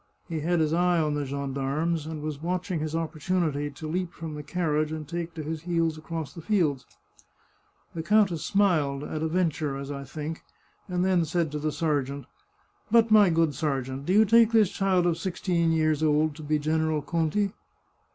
He had his eye on the gendarmes, and was watching his op portunity to leap from the carriage and take to his heels across the fields. The countess smiled — at a venture, as I think — and then said to the sergeant, " But, my good sergeant, do you take this child of sixteen years old to be General Conti